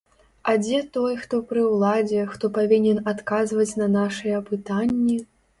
А дзе той, хто пры ўладзе, хто павінен адказваць на нашыя пытанні?